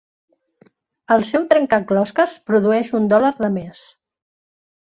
El seu trencaclosques produeix un dòlar de més.